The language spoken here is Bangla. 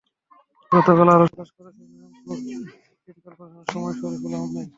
গতকাল আরও শোক প্রকাশ করেছেন রংপুর সিটি করপোরেশনের মেয়র শরফুদ্দিন আহমেদ।